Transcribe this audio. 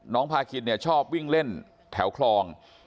พาคินเนี่ยชอบวิ่งเล่นแถวคลอง